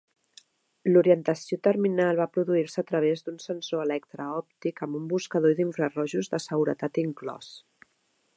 L'orientació terminal va produir-se a través d'un sensor electre-òptic amb un buscador d'infrarojos de seguretat inclòs.